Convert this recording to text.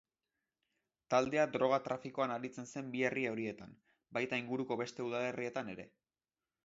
Taldea droga-trafikoan aritzen zen bi herri horietan, baita inguruko beste udalerrietan ere.